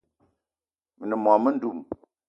Me ne mô-mendum